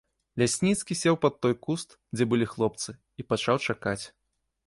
Лясніцкі сеў пад той куст, дзе былі хлопцы, і пачаў чакаць.